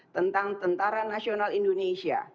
tentang tentara nasional indonesia